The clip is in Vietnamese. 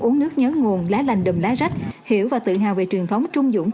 uống nước nhớ nguồn lá lành đùm lá rách hiểu và tự hào về truyền thống trung dũng